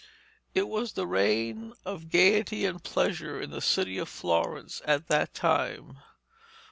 It was the reign of gaiety and pleasure in the city of Florence at that time.